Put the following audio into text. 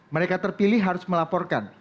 mereka terpilih harus melaporkan